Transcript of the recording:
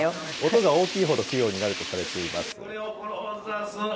音が大きいほど供養になるとされています。